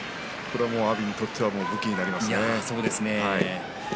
阿炎にとっては武器になりますね。